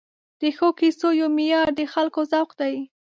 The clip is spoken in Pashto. د ښو کیسو یو معیار د خلکو ذوق دی.